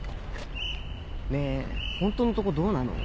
ねえホントのとこどうなの？